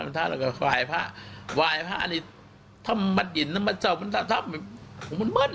ไว้๕คือถ้ามัดหยิดถ้ามัดเจาะมันเหมือนมั่น